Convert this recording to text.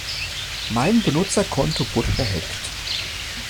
Mein Benutzerkonto wurde gehackt.